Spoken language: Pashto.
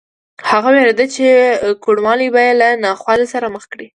هغه وېرېده چې کوڼوالی به یې له ناخوالې سره مخ کړي